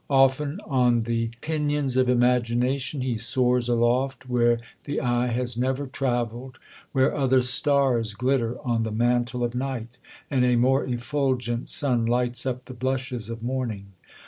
Often, on the pinions of imagination, he soars aloft where the eye has never travelled ; where other stars glitter on the mantle of night, and a more effulgent sun lights up the blushes of morning.